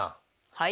はい？